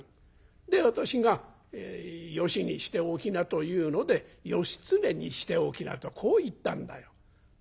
で私がよしにしておきなというので『義経にしておきな』とこう言ったんだよ」。